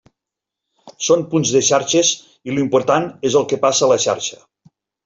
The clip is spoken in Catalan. Són punts de xarxes i l'important és el que passa a la xarxa.